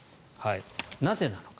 なぜなのか。